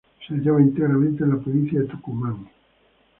Se hallaba íntegramente en la provincia de Tucumán.